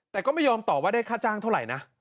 แต่ก็ไม่ยอมตอบว่าได้ค่าจ้างเท่าไหร่นะ